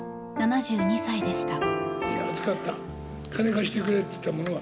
７２歳でした。